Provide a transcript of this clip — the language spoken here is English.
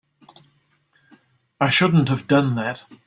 I shouldn't have done that.